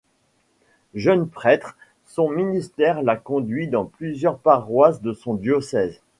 Jeune prêtre, son ministère l'a conduit dans plusieurs paroisses de son diocèse.